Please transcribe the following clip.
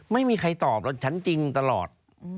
ไม่มีใครตอบแล้วฉันจริงตลอด